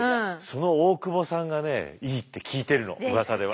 その大窪さんがねいいって聞いてるのうわさでは。